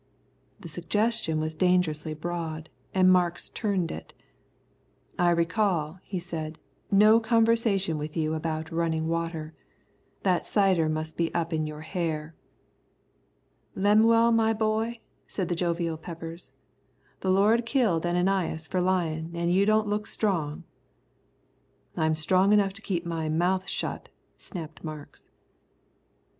The suggestion was dangerously broad, and Marks turned it. "I recall," he said, "no conversation with you about running water. That cider must be up in your hair." "Lemuel, my boy," said the jovial Peppers, "the Lord killed Ananias for lyin' an' you don't look strong." "I'm strong enough to keep my mouth shut," snapped Marks.